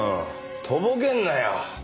とぼけんなよ。